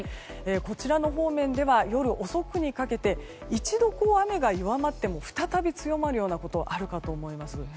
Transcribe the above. こちらの方面では夜遅くにかけて一度、雨が弱まっても再び強まるようなことがあるかと思います。